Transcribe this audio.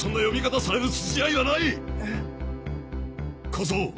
小僧！